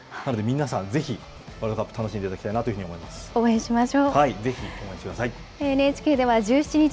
なので、皆さんぜひワールドカップを楽しんでいただきたいなと思います。